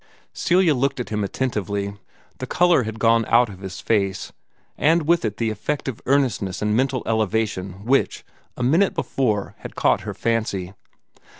Celia looked at him attentively. The color had gone out of his face, and with it the effect of earnestness and mental elevation which, a minute before, had caught her fancy.